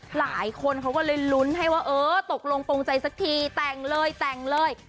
หลายคนเขาก็เลยลุ้นให้ว่าเออตกลงโปรงใจสักทีแต่งเลยแต่งเลย